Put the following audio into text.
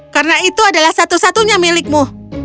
karena itu adalah satu satunya milikmu